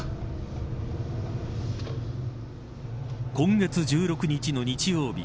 今月１６日の日曜日